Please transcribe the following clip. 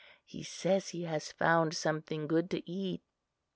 He says he has just found something good to eat."